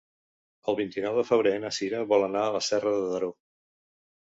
El vint-i-nou de febrer na Cira vol anar a Serra de Daró.